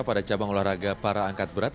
pada cabang olahraga para angkat berat